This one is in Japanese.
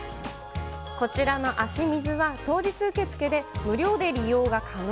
こちらのアシミズは、当日受け付けで、無料で利用が可能。